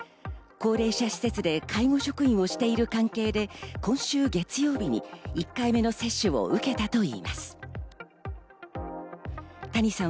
高齢者施設で介護職員をしている関係で、今週月曜日に１回目の接種を受けたといいます。